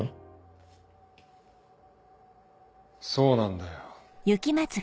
そうなんだよ。